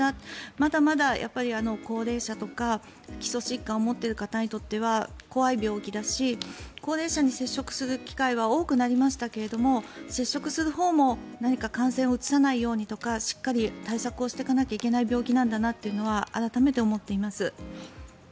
まだまだ高齢者とか、基礎疾患を持っている方にとっては怖い病気だし高齢者に接触する機会は多くなりましたけど接触するほうも、何か感染をうつさないようにだとかしっかり対策をしていかなきゃいけない病気なんだなということは改めて思っています。